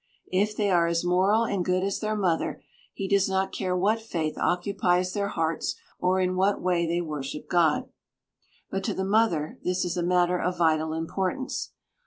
If they are as moral and good as their mother, he does not care what faith occupies their hearts or in what way they worship God. But to the mother this is a matter of vital importance.